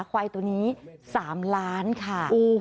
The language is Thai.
ควายตัวนี้๓ล้านค่ะ